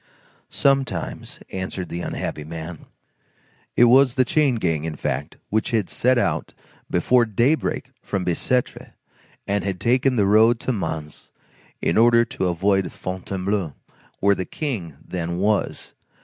"Sometimes," answered the unhappy man. It was the chain gang, in fact, which had set out before daybreak from Bicêtre, and had taken the road to Mans in order to avoid Fontainebleau, where the King then was.